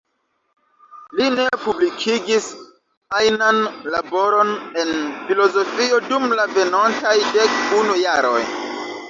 Li ne publikigis ajnan laboron en filozofio dum la venontaj dek unu jaroj.